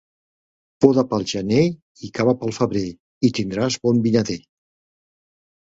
Poda pel gener i cava pel febrer i tindràs bon vinader.